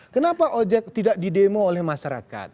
kenapa ojek tidak di demo oleh masyarakat